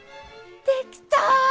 できた！